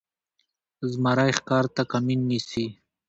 زمری ښکار ته کمین نیسي.